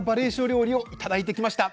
料理を頂いてきました。